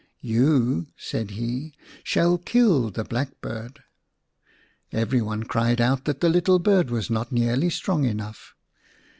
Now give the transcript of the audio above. " You," said he, " shall kill the blackbird." Every one cried out that the little bird was not nearly strong enough.